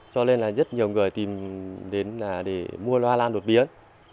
cho nên là rất nhiều người tìm đến là để mua loa lan đột biến